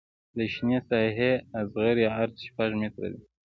د شنې ساحې اصغري عرض شپږ متره دی